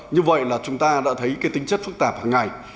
như vậy là chúng ta đã thấy cái tính chất phức tạp hàng ngày